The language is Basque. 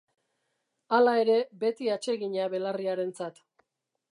Hala ere, beti atsegina belarriarentzat.